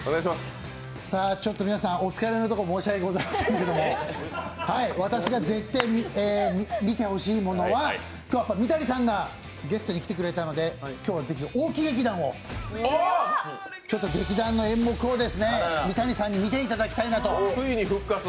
ちょっと皆さんお疲れのところ申し訳ございませんけれども私がぜってぇ見てほしいものは三谷さんがゲストに来てくれたので今日はぜひ大木劇団を、劇団の演目を三谷さんに見ていただきたいなと。